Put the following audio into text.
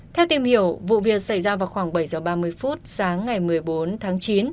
theo tìm hiểu vụ việc xảy ra vào khoảng bảy h ba mươi phút sáng ngày một mươi bốn tháng chín